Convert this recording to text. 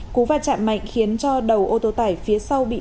cú và chạm mạnh khiến cho đầu ô tô tải phía sau bị